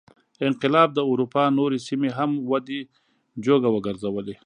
انقلاب د اروپا نورې سیمې هم ودې جوګه وګرځولې.